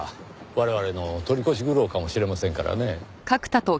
我々の取り越し苦労かもしれませんからねぇ。